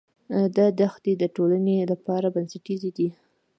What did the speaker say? دا دښتې د ټولنې لپاره بنسټیزې دي.